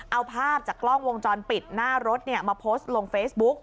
เอาภาพจากกล้องวงจรปิดหน้ารถมาโพสต์ลงเฟซบุ๊ก